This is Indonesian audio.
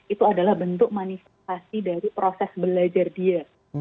itu adalah bentuk manifestasi dari proses belajar dia